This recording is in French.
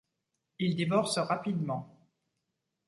Ils divorcent rapidement.